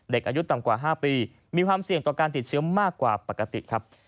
อายุต่ำกว่า๕ปีมีความเสี่ยงต่อการติดเชื้อมากกว่าปกติครับ